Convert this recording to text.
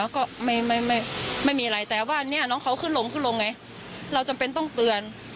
ก็ไม่มีอะไรแต่ว่าเนี่ยน้องเขาขึ้นลงขึ้นลงไงเราจำเป็นต้องเตือน